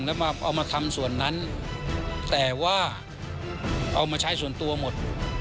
แล้วมาเอามาทำส่วนนั้นแต่ว่าเอามาใช้ส่วนตัวหมด